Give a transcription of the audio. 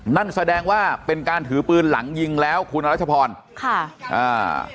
นั่นแสดงว่าเป็นการถือปืนหลังยิงแล้วคุณรัชพรค่ะอ่า